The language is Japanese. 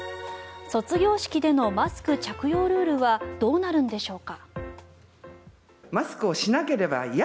卒業式でのマスク着用ルールはどうなるんでしょうか。